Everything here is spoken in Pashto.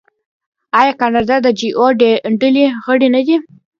آیا کاناډا د جي اوه ډلې غړی نه دی؟